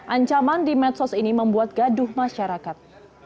ancaman di medsos ini membuat gaduh masyarakat